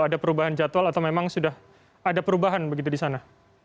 ada perubahan jadwal atau memang sudah ada perubahan begitu di sana